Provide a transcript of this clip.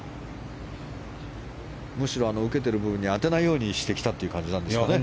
むしろ受けてる部分に当てないようにしてきたという感じなんですかね。